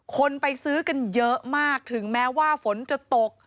คนไปซื้อกันเยอะมากถึงแม้ว่าฝนจะตก